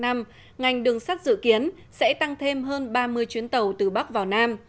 năm ngành đường sắt dự kiến sẽ tăng thêm hơn ba mươi chuyến tàu từ bắc vào nam